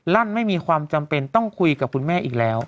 ลั่นไม่มีความจำเป็นต้องคุยกับคุณแม่อีกแล้ว